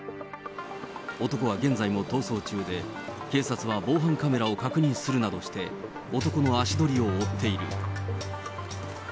男は現在も逃走中で、警察は防犯カメラを確認するなどして、男の足取りを追っている。